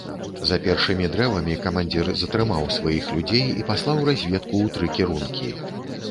За першымі дрэвамі камандзір затрымаў сваіх людзей і паслаў разведку ў тры кірункі.